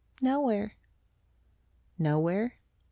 "Nowhere." "Nowhere?